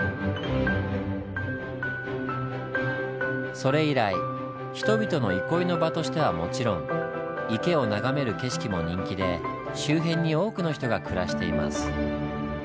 それ以来人々の憩いの場としてはもちろん池を眺める景色も人気で周辺に多くの人が暮らしています。